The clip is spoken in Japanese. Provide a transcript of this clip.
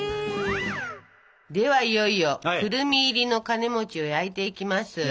ではいよいよくるみ入りのカネを焼いていきます。